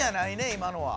今のは。